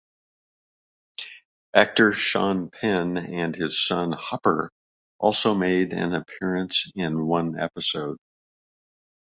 Actor Sean Penn and his son Hopper also made an appearance in one episode.